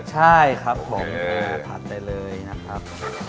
ใช่ครับผมคือผัดไปเลยนะครับ